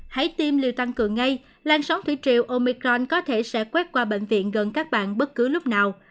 hãy tiêm liều tăng cường ngay lan sóng thủy triều omicron có thể sẽ quét qua bệnh viện gần các bạn bất cứ lúc nào